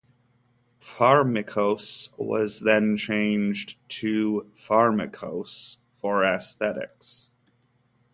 "Pharmikos" was then changed to "Farmikos" for aesthetics.